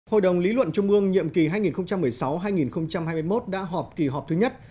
hội đồng lý luận trung ương nhiệm kỳ hai nghìn một mươi sáu hai nghìn hai mươi một đã họp kỳ họp thứ nhất